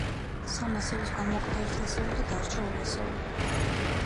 სამ ასეულს გამოაკლდა ერთი ასეული და დარჩა ორი ასეული.